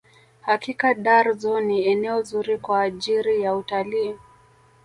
hakika dar zoo ni eneo zuri kwa ajiri ya utalii